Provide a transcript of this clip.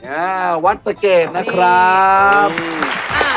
อ่าวัดสเกตนะครับอืม